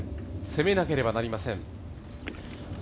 攻めなければなりません。